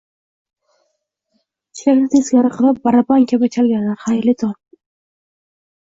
Chelakni teskari qilib, "baraban" kabi chalganlar, xayrli tong!